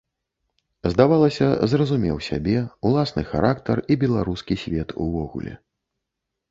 Здавалася, зразумеў сябе, уласны характар і беларускі свет увогуле.